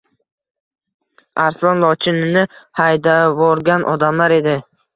Arslon Lochinini haydavorgan odamlar edi.